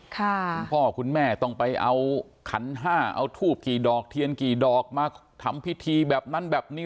คุณพ่อคุณแม่ต้องไปเอาขันห้าเอาทูบกี่ดอกเทียนกี่ดอกมาทำพิธีแบบนั้นแบบนี้